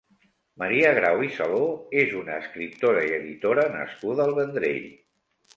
Maria Grau i Saló és una escriptora i editora nascuda al Vendrell.